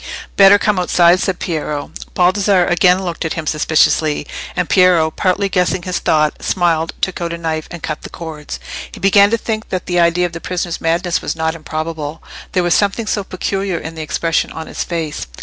"Better come outside," said Piero. Baldassarre again looked at him suspiciously; and Piero, partly guessing his thought, smiled, took out a knife, and cut the cords. He began to think that the idea of the prisoner's madness was not improbable, there was something so peculiar in the expression of his face.